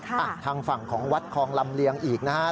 อ้ะทางฝั่งของวัดคองลำเรียงอีกนะฮะ